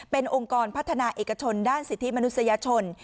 เป็นองค์กรพัฒนาเอกชนด้านสิทธิมนุษยชน